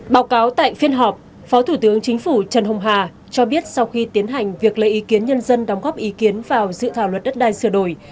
báo cáo tại phiên họp phó thủ tướng chính phủ trần hùng hà cho biết sau khi tiến hành việc lấy ý kiến nhân dân đóng góp ý kiến vào dự thảo luật đất đai sửa đổi